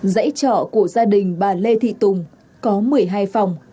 dãy trọ của gia đình bà lê thị tùng có một mươi hai phòng